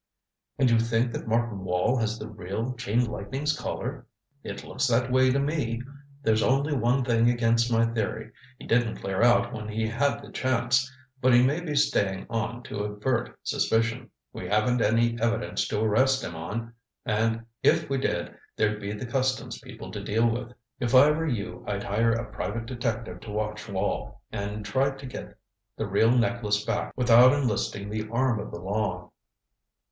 "And you think that Martin Wall has the real Chain Lightning's Collar?" "It looks that way to me. There's only one thing against my theory. He didn't clear out when he had the chance. But he may be staying on to avert suspicion. We haven't any evidence to arrest him on and if we did there'd be the customs people to deal with. If I were you I'd hire a private detective to watch Wall, and try to get the real necklace back without enlisting the arm of the law."